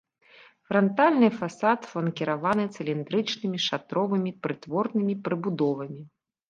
Франтальны фасад фланкіраваны цыліндрычнымі шатровымі прытворнымі прыбудовамі.